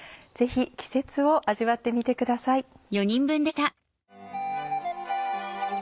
ぜひ季節を味わってみてください。